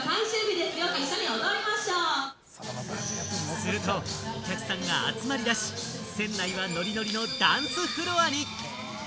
すると、お客さんが集まりだし、船内はノリノリのダンスフロアに！